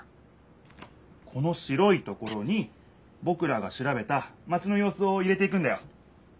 この白いところにぼくらがしらべたマチのようすを入れていくんだよ。